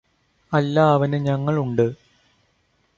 അല്ലാ അവന് ഞങ്ങളുണ്ട്